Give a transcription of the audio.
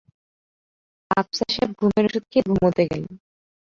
আফসার সাহেব ঘুমের অষুধ খেয়ে ঘুমুতে গেলেন।